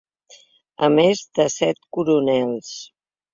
A més de set coronels.